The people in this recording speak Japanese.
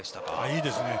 いいですね。